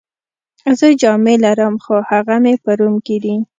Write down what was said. زه جامې لرم، خو هغه مې په روم کي دي.